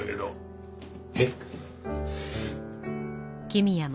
えっ？